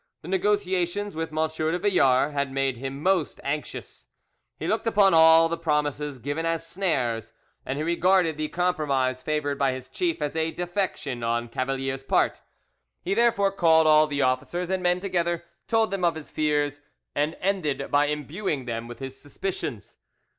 The negotiations with M. de Villars had made him most anxious; he looked upon all the promises given as snares, and he regarded the compromise favoured by his chief as a defection on Cavalier's part. He therefore called all the officers and men together, told them of his fears, and ended by imbuing them with his suspicions.